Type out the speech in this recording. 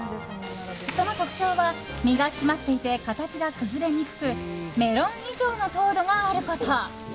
その特徴は身が締まっていて形が崩れにくくメロン以上の糖度があること。